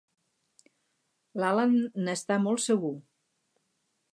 Allan n'està molt segur.